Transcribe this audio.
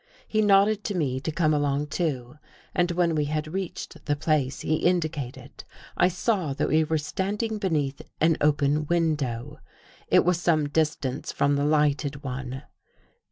He nodded to me to come along too and when we had reached the place he indicated, I saw that we were standing beneath an open window. It was some distance from the lighted one.